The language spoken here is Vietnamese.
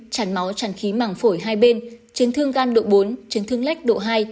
chẳng máu chẳng khí mảng phổi hai bên chấn thương gan độ bốn chấn thương lách độ hai